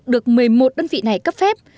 được một mươi một đơn vị này cấp phép